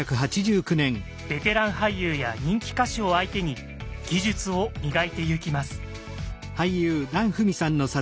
ベテラン俳優や人気歌手を相手に技術を磨いてゆきます。